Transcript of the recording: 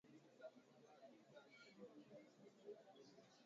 Walipishana na wanachama wa chama cha jamhuri ambao kwa ujumla walimshinikiza Jackson